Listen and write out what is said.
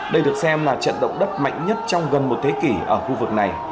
đây được xem là trận động đất mạnh nhất trong gần một thế kỷ ở khu vực này